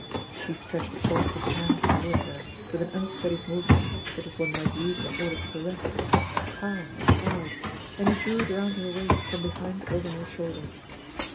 He stretched forth his hand toward her with an unstudied movement such as one might use in order to caress, to calm a child, and he drew it round her waist from behind over her shoulder.